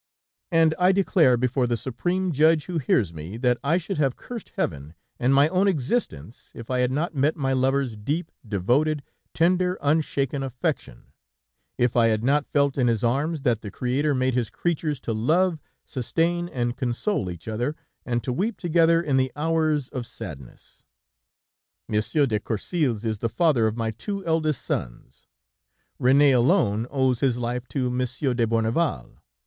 "'And I declare before the Supreme Judge who hears me, that I should have cursed heaven and my own existence, if I had not met my lover's deep, devoted, tender, unshaken affection, if I had not felt in his arms that the Creator made His creatures to love, sustain and console each other, and to weep together in the hours of sadness. "'Monsieur de Courcils is the father of my two eldest sons; René alone owes his life to Monsieur de Bourneval.